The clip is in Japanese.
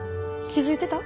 気付いてた？